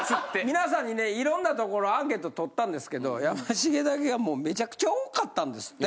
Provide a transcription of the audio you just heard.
皆さんにねいろんなところアンケート取ったんですけどやましげだけがもうめちゃくちゃ多かったんですって。